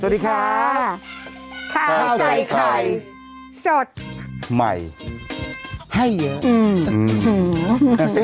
สวัสดีครับสวัสดีค่ะท้าใส่ไคร